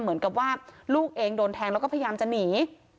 เหมือนกับว่าลูกเองโดนแทงแล้วก็พยายามจะหนี